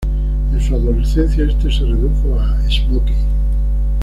En su adolescencia, este se redujo a "Smokey".